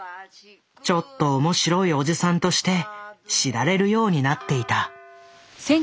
ちょっと面白いおじさんとして知られるようになっていた。